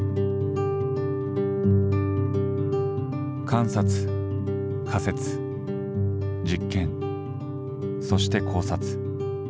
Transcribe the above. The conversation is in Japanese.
観察仮説実験そして考察。